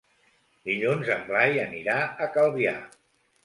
Dilluns en Blai anirà a Calvià.